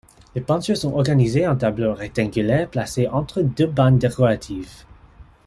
Les peintures sont organisées en tableaux rectangulaires placés entre deux bandes décoratives.